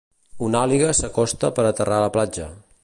Un àliga s'acosta per aterrar a la platja.